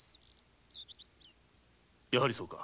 やはりそうか。